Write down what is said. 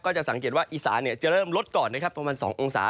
จะสังเกตว่าอีสานจะเริ่มลดก่อนนะครับประมาณ๒องศา